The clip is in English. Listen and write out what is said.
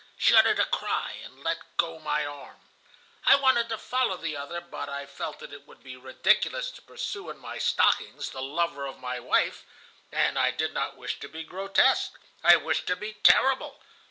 "She uttered a cry and let go my arm. I wanted to follow the other, but I felt that it would be ridiculous to pursue in my stockings the lover of my wife, and I did not wish to be grotesque, I wished to be terrible.